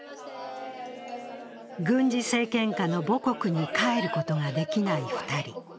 軍事政権下の母国に帰ることができない２人。